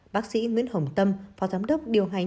bác sĩ nguyễn hồng tâm phó giám đốc điều hành